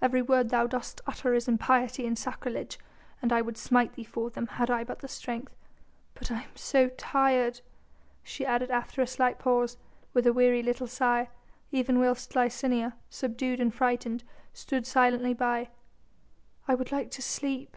Every word thou dost utter is impiety and sacrilege, and I would smite thee for them had I but the strength. "But I am so tired," she added after a slight pause, with a weary little sigh, even whilst Licinia, subdued and frightened, stood silently by: "I would like to sleep."